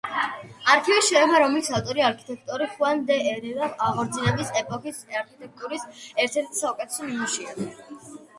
არქივის შენობა, რომლის ავტორია არქიტექტორი ხუან დე ერერა, აღორძინების ეპოქის არქიტექტურის ერთ-ერთი საუკეთესო ნიმუშია.